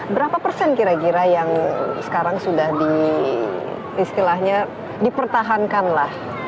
berapa persen kira kira yang sekarang sudah diistilahnya dipertahankan lah